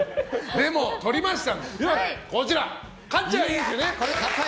でも、取りました。